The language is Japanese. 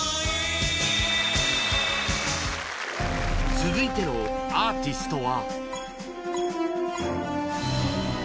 続いてのアーティストは